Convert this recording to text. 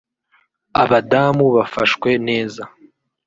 abadamu bafashwe neza